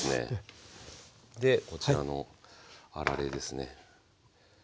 でこちらのあられですね。